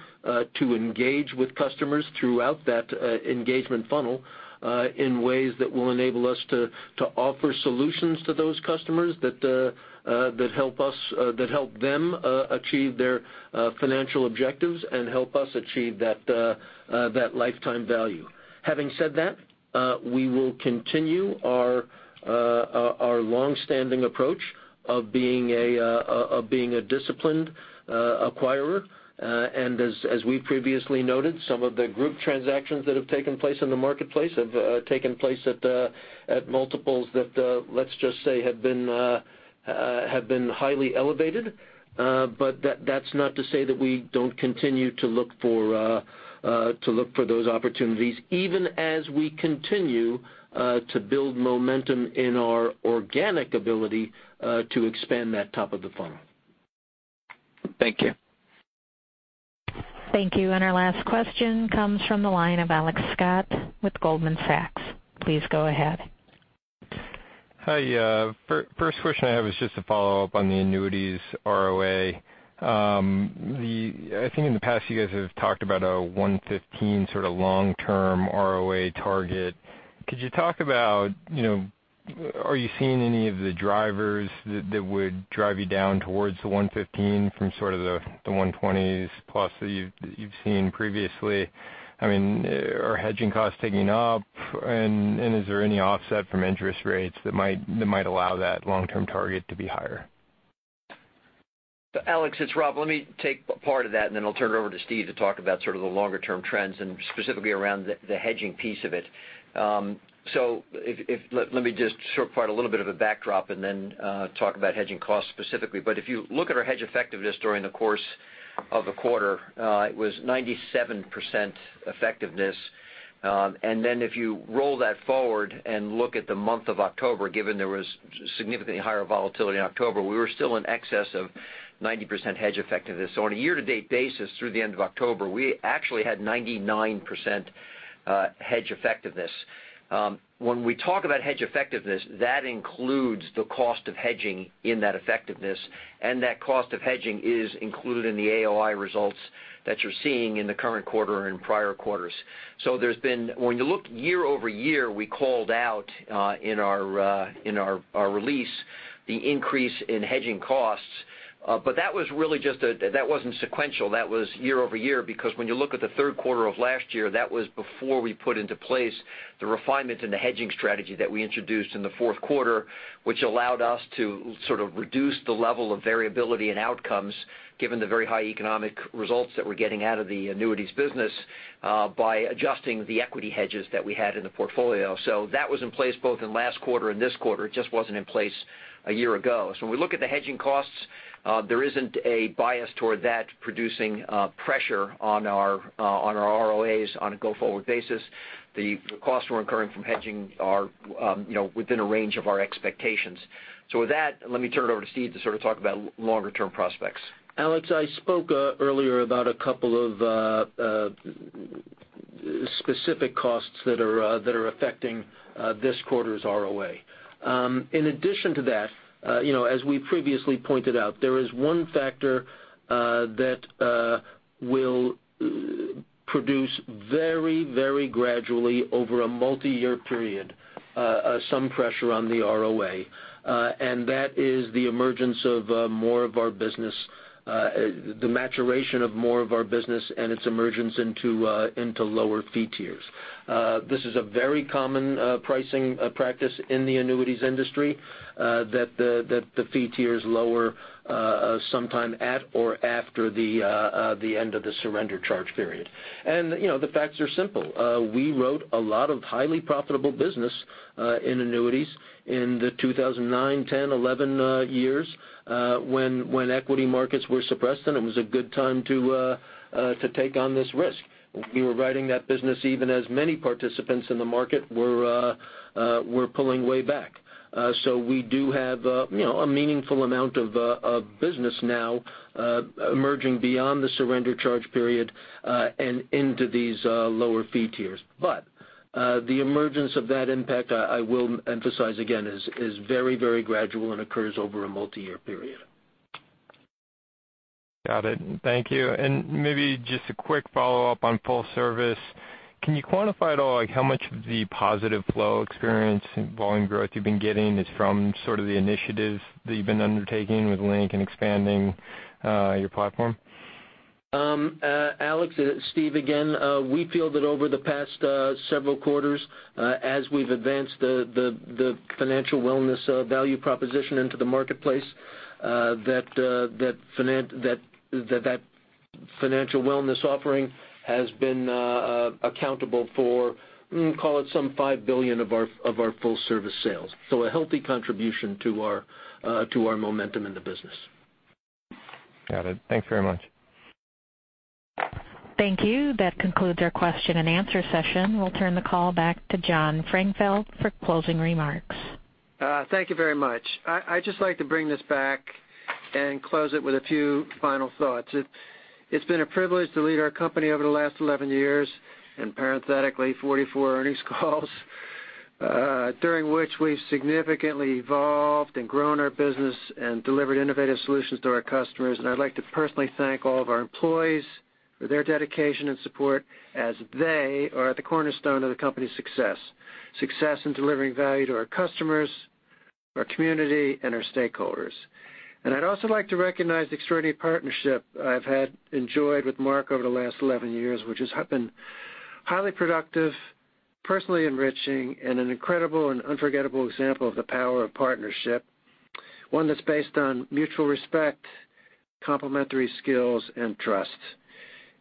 to engage with customers throughout that engagement funnel in ways that will enable us to offer solutions to those customers that help them achieve their financial objectives and help us achieve that lifetime value. Having said that, we will continue our long-standing approach of being a disciplined acquirer. As we previously noted, some of the group transactions that have taken place in the marketplace have taken place at multiples that, let's just say, have been highly elevated. That's not to say that we don't continue to look for those opportunities, even as we continue to build momentum in our organic ability to expand that top of the funnel. Thank you. Thank you. Our last question comes from the line of Alex Scott with Goldman Sachs. Please go ahead. Hi. First question I have is just a follow-up on the annuities ROA. I think in the past you guys have talked about a 115 sort of long-term ROA target. Could you talk about are you seeing any of the drivers that would drive you down towards the 115 from sort of the 120s plus that you've seen previously? I mean, are hedging costs ticking up? Is there any offset from interest rates that might allow that long-term target to be higher? Alex, it's Rob. Let me take part of that, and then I'll turn it over to Steve to talk about sort of the longer-term trends and specifically around the hedging piece of it. Let me just sort of provide a little bit of a backdrop and then talk about hedging costs specifically. If you look at our hedge effectiveness during the course of a quarter, it was 97% effectiveness. If you roll that forward and look at the month of October, given there was significantly higher volatility in October, we were still in excess of 90% hedge effectiveness. On a year-to-date basis through the end of October, we actually had 99% hedge effectiveness. When we talk about hedge effectiveness, that includes the cost of hedging in that effectiveness, and that cost of hedging is included in the AOI results that you're seeing in the current quarter and prior quarters. There's been, when you look year-over-year, we called out, in our release, the increase in hedging costs. That wasn't sequential, that was year-over-year, because when you look at the third quarter of last year, that was before we put into place the refinement in the hedging strategy that we introduced in the fourth quarter, which allowed us to sort of reduce the level of variability in outcomes, given the very high economic results that we're getting out of the annuities business, by adjusting the equity hedges that we had in the portfolio. That was in place both in last quarter and this quarter. It just wasn't in place a year ago. When we look at the hedging costs, there isn't a bias toward that producing pressure on our ROAs on a go-forward basis. The costs we're incurring from hedging are within a range of our expectations. With that, let me turn it over to Steve to sort of talk about longer-term prospects. Alex, I spoke earlier about a couple of specific costs that are affecting this quarter's ROA. In addition to that, as we previously pointed out, there is one factor that will produce very gradually over a multi-year period, some pressure on the ROA. That is the maturation of more of our business and its emergence into lower fee tiers. This is a very common pricing practice in the annuities industry, that the fee tier is lower sometime at or after the end of the surrender charge period. The facts are simple. We wrote a lot of highly profitable business in annuities in the 2009, 2010, 2011 years, when equity markets were suppressed, and it was a good time to take on this risk. We were writing that business even as many participants in the market were pulling way back. We do have a meaningful amount of business now emerging beyond the surrender charge period, and into these lower fee tiers. The emergence of that impact, I will emphasize again, is very gradual and occurs over a multi-year period. Got it. Thank you. Maybe just a quick follow-up on full service. Can you quantify at all, how much of the positive flow experience and volume growth you've been getting is from sort of the initiatives that you've been undertaking with LINK and expanding your platform? Alex, Steve again. We feel that over the past several quarters, as we've advanced the financial wellness value proposition into the marketplace, that financial wellness offering has been accountable for, call it some $5 billion of our full service sales. A healthy contribution to our momentum in the business. Got it. Thanks very much. Thank you. That concludes our question and answer session. We'll turn the call back to John Strangfeld for closing remarks. Thank you very much. I'd just like to bring this back and close it with a few final thoughts. It's been a privilege to lead our company over the last 11 years, and parenthetically 44 earnings calls, during which we've significantly evolved and grown our business and delivered innovative solutions to our customers. I'd like to personally thank all of our employees for their dedication and support as they are at the cornerstone of the company's success. Success in delivering value to our customers, our community, and our stakeholders. I'd also like to recognize the extraordinary partnership I've enjoyed with Mark over the last 11 years, which has been highly productive, personally enriching, and an incredible and unforgettable example of the power of partnership, one that's based on mutual respect, complementary skills, and trust.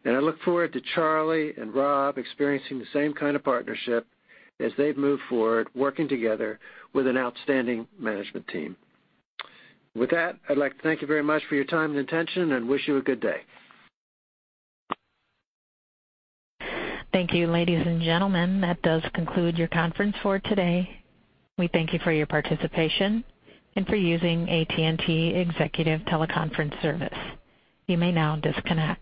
I look forward to Charlie and Rob experiencing the same kind of partnership as they move forward, working together with an outstanding management team. With that, I'd like to thank you very much for your time and attention and wish you a good day. Thank you, ladies and gentlemen. That does conclude your conference for today. We thank you for your participation and for using AT&T Executive Teleconference Service. You may now disconnect.